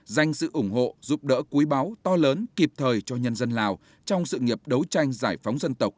dành sự ủng hộ giúp đỡ quý báo to lớn kịp thời cho nhân dân lào trong sự nghiệp đấu tranh giải phóng dân tộc